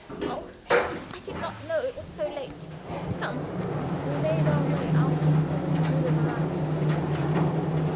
"Oh, I did not know it was so late. Come!" We made our way out of the hall through the veranda to the entrance.